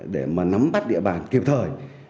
để mà nắm bắt địa bàn kịp thời